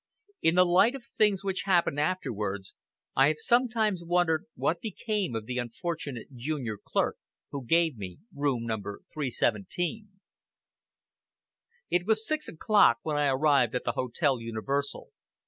In the light of things which happened afterwards, I have sometimes wondered what became of the unfortunate junior clerk who gave me room number 317. It was six o'clock when I arrived at the Hotel Universal.